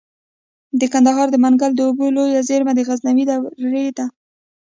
د کندهار د منگل د اوبو لوی زیرمه د غزنوي دورې ده